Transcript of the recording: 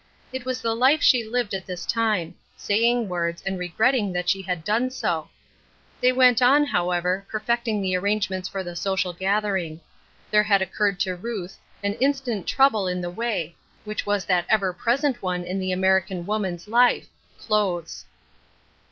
It was the life she lived at this time — saying words, and regretting that she had done so. They went on, however, perfecting the arrangements for the social gath ering. There had occurred to Ruth an instjw\t A Cross of Leaa, 45 trouble in the way, which was that ever present one in the American woman's life — clothes.